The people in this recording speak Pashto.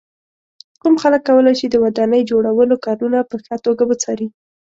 کوم خلک کولای شي د ودانۍ جوړولو کارونه په ښه توګه وڅاري.